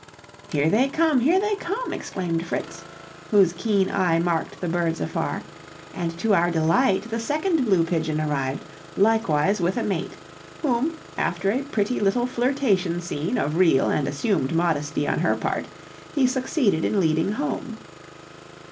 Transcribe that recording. "Here they come! here they come!" exclaimed Fritz, whose keen eye marked the birds afar, and to our delight the second blue pigeon arrived, likewise with a mate, whom, after a pretty little flirtation scene of real and assumed modesty on her part, he succeeded in leading home.